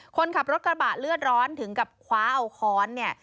คนขับรถกระบะเลือดร้อนถึงกับคว้าเอาค้อนเนี่ย